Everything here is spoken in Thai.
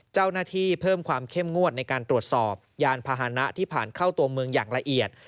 เจ้าหน้าที่เพิ่มความเข้มงวดในการตรวจสอบยานพาหนะที่ผ่านเข้าตัวเมืองอย่างละเอียด